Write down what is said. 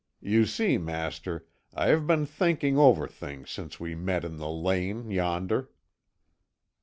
You see, master, I have been thinking over things since we met in the lane yonder."